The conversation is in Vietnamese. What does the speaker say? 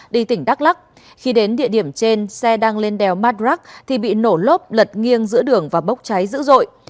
đi tỉnh đắk lắc khi đến địa điểm trên xe đang lên đèo madrak thì bị nổ lốp lật nghiêng giữa đường và bốc cháy dữ dội